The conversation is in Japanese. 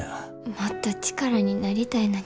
もっと力になりたいのに。